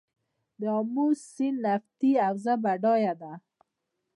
د امو سیند نفتي حوزه بډایه ده؟